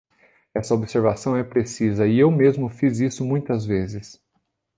Essa observação é precisa e eu mesmo fiz isso muitas vezes.